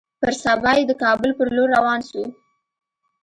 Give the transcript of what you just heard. پر سبا يې د کابل پر لور روان سو.